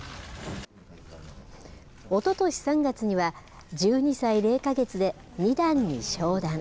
おととし３月には、１２歳０か月で二段に昇段。